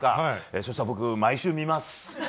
そしたら僕、毎週見ます。